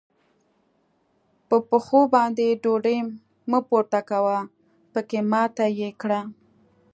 په پښو باندې ډوډۍ مه پورې کوه؛ پکې ماته يې کړه.